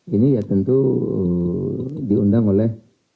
ini ya tentu diundang oleh